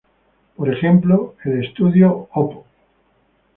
Por ejemplo, el "Estudio Op.